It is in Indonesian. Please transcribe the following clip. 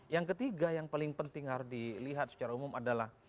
yang ketiga yang paling penting harus dilihat secara umum adalah